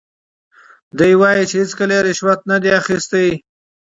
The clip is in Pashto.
دی وایي چې هیڅکله یې رشوت نه دی اخیستی.